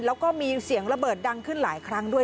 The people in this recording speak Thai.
แล้วก็มีเสียงระเบิดดังขึ้นหลายครั้งด้วย